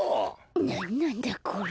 なんなんだこれ。